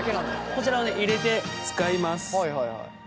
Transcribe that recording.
こちらをね入れて使います。